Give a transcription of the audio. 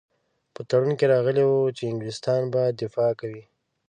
په تړون کې راغلي وو چې انګلیسیان به دفاع کوي.